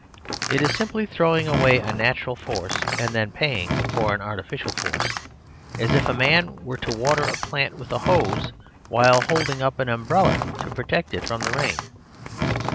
It is simply throwing away a natural force and then pay ing for an artificial force ; as if a man were to water a plant with a hose while holding up an umbrella to protect it from the rain.